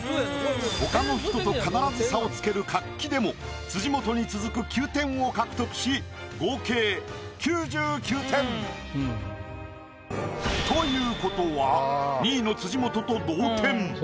他の人と必ず差をつける活気でも辻元に続く９点を獲得し合計９９点。ということは２位の辻元と同点。